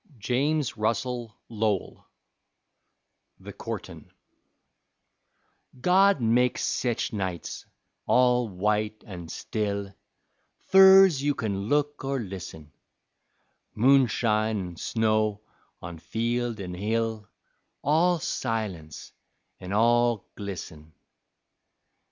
JAMES RUSSELL LOWELL THE COURTIN' God makes sech nights, all white an' still Fur'z you can look or listen, Moonshine an' snow on field an' hill, All silence an' all glisten.